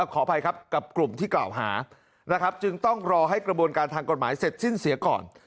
ขออภัยครับกับกลุ่มที่กล่าวหานะครับจึงต้องรอให้กระบวนการทางกฎหมายเสร็จสิ้นเสียก่อน